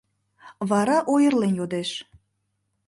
Вара ойырлен йодеш: